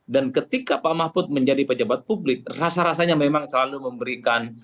dan ketika pak mahfud menjadi pejabat publik rasa rasanya memang selalu memberikan